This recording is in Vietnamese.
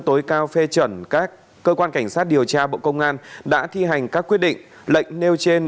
tối cao phê chuẩn các cơ quan cảnh sát điều tra bộ công an đã thi hành các quyết định lệnh nêu trên